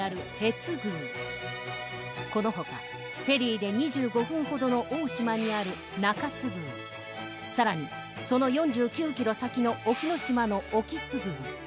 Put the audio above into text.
津宮この他フェリーで２５分ほどの大島にある中津宮更にその４９ｋｍ先の沖ノ島の沖津宮